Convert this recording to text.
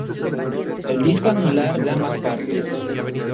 El disco anular de ambas partes.